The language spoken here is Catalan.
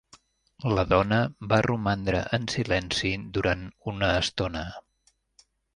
La dona va romandre en silenci durant una estona.